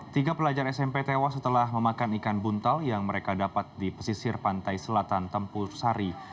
tiga pelajar smp tewas setelah memakan ikan buntal yang mereka dapat di pesisir pantai selatan tempur sari